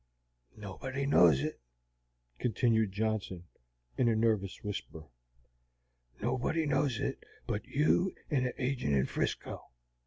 "Nobody knows it," continued Johnson, in a nervous whisper, "nobody knows it but you and the agint in 'Frisco.